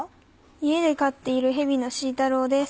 家で飼っているヘビのシー太郎です。